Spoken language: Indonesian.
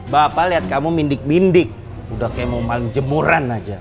bapak lihat kamu mindik mindik udah kayak mau main jemuran aja